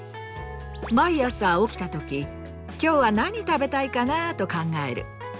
毎朝起きたとき「今日は何食べたいかなあ」と考える。